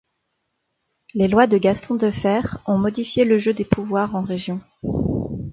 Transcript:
Les lois de Gaston Defferre ont modifié le jeu des pouvoirs en régions.